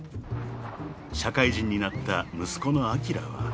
［社会人になった息子のあきらは］